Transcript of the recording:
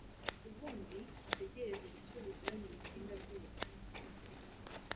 ubundi utegereze ibisubizo ntibitinda rwose;